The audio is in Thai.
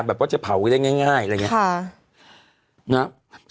แบบว่าจะเผาได้ง่ายอะไรอย่างนี้